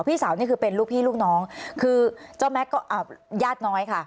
พี่สาวนี่คือเป็นลูกพี่ลูกน้องคือเจ้าแม็กซ์ก็ญาติน้อยค่ะ